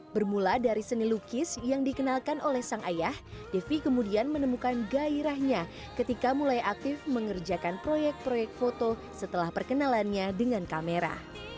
bermula dari seni lukis yang dikenalkan oleh sang ayah devi kemudian menemukan gairahnya ketika mulai aktif mengerjakan proyek proyek foto setelah perkenalannya dengan kamera